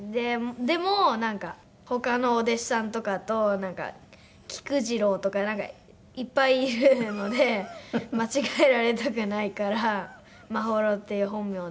でもなんか他のお弟子さんとかと「菊次郎」とかなんかいっぱいいるので間違えられたくないから「眞秀」っていう本名で。